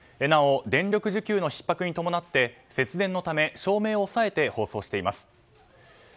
なお電力需給のひっ迫に伴って節電のため照明を抑えて放送しています。